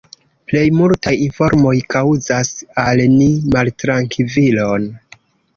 Plej multaj informoj kaŭzas al ni maltrankvilon.